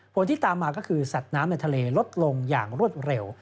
ผลที่ตามมาก็คือสัตว์น้ำในทะเลลดลงอย่างรวดเร็ว